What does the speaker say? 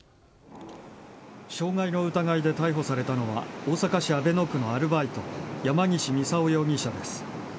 傷害の疑いで逮捕されたのは大阪市阿倍野区のアルバイト山岸操容疑者です。